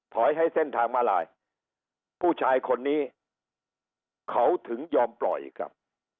ให้เส้นทางมาลายผู้ชายคนนี้เขาถึงยอมปล่อยครับ